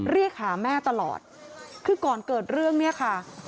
เรียกหาแม่ตลอดคือก่อนเกิดเรื่องเนี่ยค่ะ